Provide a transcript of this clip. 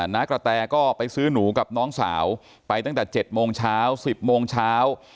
น้ากระแตก็ไปซื้อหนูกับน้องสาวไปตั้งแต่๗โมงเช้า๑๐โมงเช้า